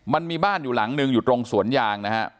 มันมีบ้านอยู่หลังหนึ่งอยู่ตรงสวนยางนะฮะ